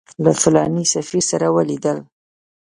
له فلاني سفیر سره ولیدل.